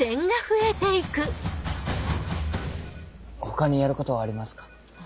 他にやることありますか？